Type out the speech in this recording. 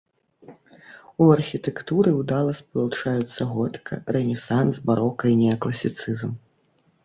У архітэктуры ўдала спалучаюцца готыка, рэнесанс, барока і неакласіцызм.